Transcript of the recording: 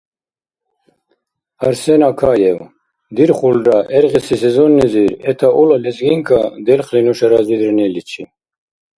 Арсен Акаев: «Дирхулра, гӏергъиси сезоннизир Это`О-ла «лезгинка» делхъли нуша разидирниличи»